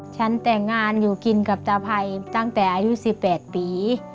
ฉันแต่งงานอยู่กินกับตาไพรตั้งแต่อายุ๑๘ปี